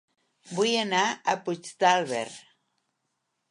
Vull anar a Puigdàlber